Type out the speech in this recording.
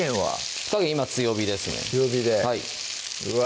火加減今強火ですね強火でうわ